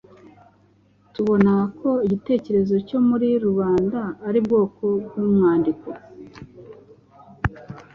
tubona ko igitekerezo cyo muri rubanda ari ubwoko bw’umwandiko